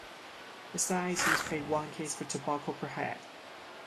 Besides, he was paid one case of tobacco per head.